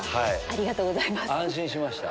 ありがとうございます。